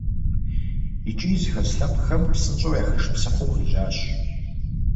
ИкӀи зыхэс лъэпкъхэм псынщӏэу яхэшыпсыхьу хуежьащ.